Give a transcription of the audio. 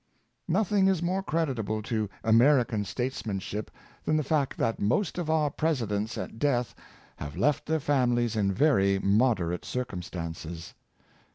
Nothing is more creditable to American statesman ship than the fact that most of our Presidents at death have left their families in very moderate circumstances.